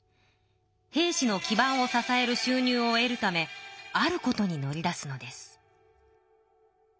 平氏の基ばんを支えるしゅう入を得るためあることに乗り出すのです。